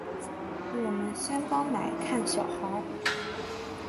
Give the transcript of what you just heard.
我们先帮妳看小孩